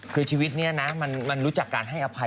คือชีวิตนี้นะมันรู้จักการให้อภัย